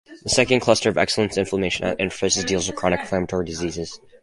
The second Cluster of Excellence "Inflammation at Interfaces" deals with chronic inflammatory diseases.